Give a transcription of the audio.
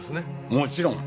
もちろん。